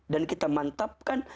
dan kita mantapkan